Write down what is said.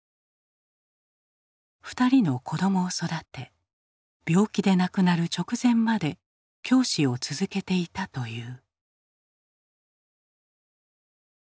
２人の子どもを育て病気で亡くなる直前まで教師を続けていたという。